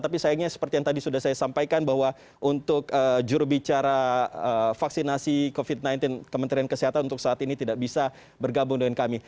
tapi sayangnya seperti yang tadi sudah saya sampaikan bahwa untuk jurubicara vaksinasi covid sembilan belas kementerian kesehatan untuk saat ini tidak bisa bergabung dengan kami